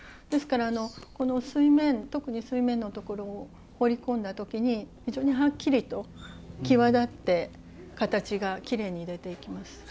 ですから特に水面のところを彫り込んだときに非常にはっきりと際立って形がきれいに出ていきます。